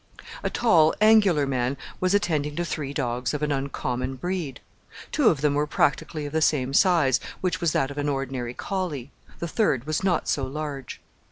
A tall, angular man was attending to three dogs of an uncommon breed. Two of them were practically of the same size, which was that of an ordinary collie; the third was not so large.